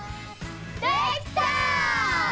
できた！